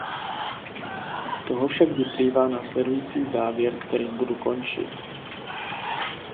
Z toho však vyplývá následující závěr, kterým budu končit.